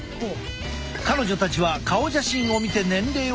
彼女たちは顔写真を見て年齢を予想したのだ。